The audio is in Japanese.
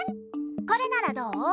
これならどう？